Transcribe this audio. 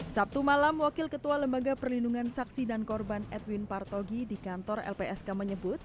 sabtu malam wakil ketua lembaga perlindungan saksi dan korban edwin partogi di kantor lpsk menyebut